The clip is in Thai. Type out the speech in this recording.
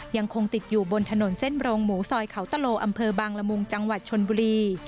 ยังคงติดอยู่บนถนนเส้นโรงหมูซอยเขาตะโลอำเภอบางละมุงจังหวัดชนบุรี